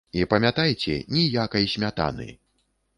І памятайце, ніякай смятаны!